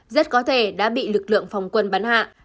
rất có thể đã bị lực lượng phòng quân bắn hạ